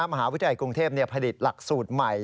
มหาวิทยาลัยกรุงเทพผลิตหลักสูตรใหม่